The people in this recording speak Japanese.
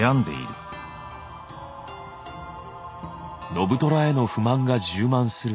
信虎への不満が充満する